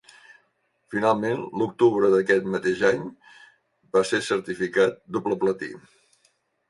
Finalment, l'octubre d'aquest mateix any va ser certificat doble platí.